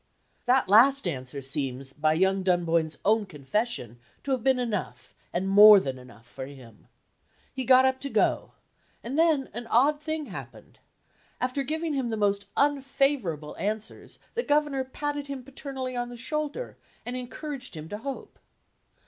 That last answer seems, by young Dunboyne's own confession, to have been enough, and more than enough for him. He got up to go and then an odd thing happened. After giving him the most unfavorable answers, the Governor patted him paternally on the shoulder, and encouraged him to hope.